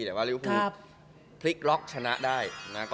แต่ว่าริวภูพลิกล็อกชนะได้